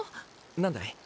何だい？